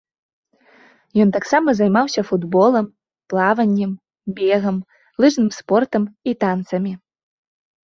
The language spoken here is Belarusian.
Ён таксама займаўся футболам, плаваннем, бегам, лыжным спортам і танцамі.